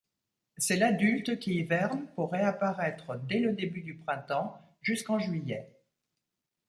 C'est l'adulte qui hiverne pour réapparaître dès le début du printemps jusqu'en juillet.